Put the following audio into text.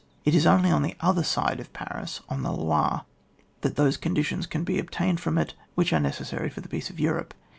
It is only on the other side of Paris, on the Loire, that those conditions can be obtained from it which are neces sary for the peace of Europe.